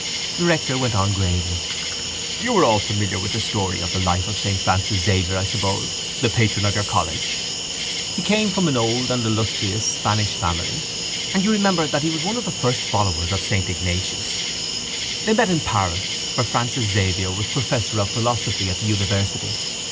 The rector went on gravely: —You are all familiar with the story of the life of saint Francis Xavier, I suppose, the patron of your college. He came of an old and illustrious Spanish family and you remember that he was one of the first followers of saint Ignatius. They met in Paris where Francis Xavier was professor of philosophy at the university.